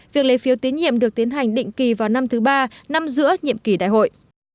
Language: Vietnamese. việc lấy phiếu tín nhiệm được tiến hành định kỳ vào năm thứ ba năm giữa nhiệm kỳ đại hội